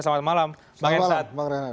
selamat malam bang henry satrio